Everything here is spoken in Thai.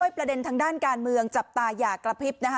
ประเด็นทางด้านการเมืองจับตาอย่ากระพริบนะคะ